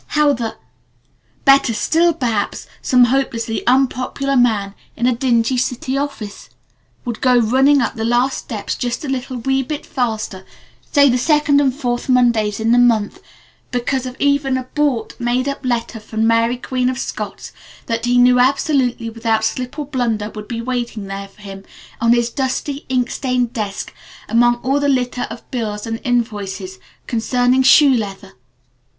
How the . Better still, perhaps some hopelessly unpopular man in a dingy city office would go running up the last steps just a little, wee bit faster say the second and fourth Mondays in the month because of even a bought, made up letter from Mary Queen of Scots that he knew absolutely without slip or blunder would be waiting there for him on his dusty, ink stained desk among all the litter of bills and invoices concerning shoe leather.